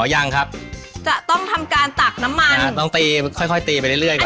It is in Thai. ยังครับจะต้องทำการตักน้ำมันอ่าต้องตีค่อยค่อยตีไปเรื่อยก่อน